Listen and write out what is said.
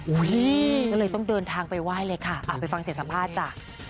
ก็เลยต้องเดินทางไปไหว้เลยค่ะไปฟังเสียงสัมภาษณ์จ้ะ